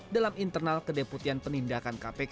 dalam internal kedeputian penindakan kpk